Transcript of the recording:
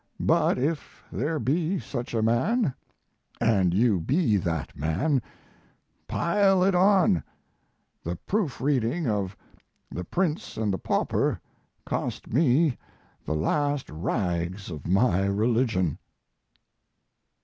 But if there be such a man, and you be that man, pile it on. The proof reading of 'The Prince and the Pauper' cost me the last rags of my religion.